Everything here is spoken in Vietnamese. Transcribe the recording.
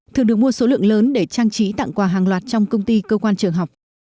thường được mua số lượng lớn để trang trí tặng quà hàng loạt trong công ty cơ quan trường học